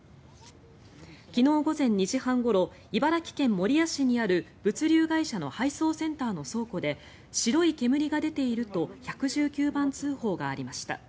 昨日午前２時半ごろ茨城県守谷市にある物流会社の配送センターの倉庫で白い煙が出ていると１１９番通報がありました。